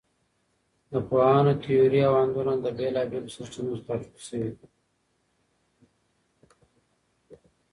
د پوهانو تیورۍ او اندونه له بېلابېلو سرچینو څخه راټول شوي دي.